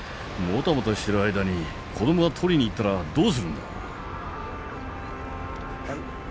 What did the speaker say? もたもたしてる間に子供が取りに行ったらどうするんだ！